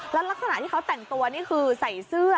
แล้วลักษณะที่เขาแต่งตัวนี่คือใส่เสื้อ